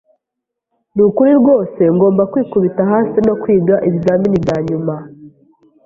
Nukuri rwose ngomba kwikubita hasi no kwiga ibizamini byanyuma.